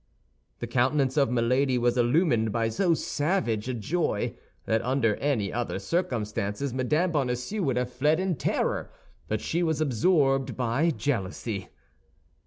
The countenance of Milady was illumined by so savage a joy that under any other circumstances Mme. Bonacieux would have fled in terror; but she was absorbed by jealousy.